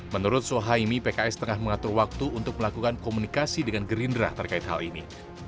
menurut sohaimi pks tengah mengatur waktu untuk melakukan komunikasi dengan gerindra terkait hal ini